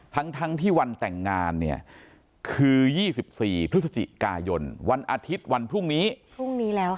ทั้งทั้งที่วันแต่งงานเนี่ยคือ๒๔พฤศจิกายนวันอาทิตย์วันพรุ่งนี้